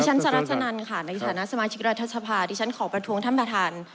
สรัชนันค่ะในฐานะสมาชิกรัฐสภาที่ฉันขอประท้วงท่านประธาน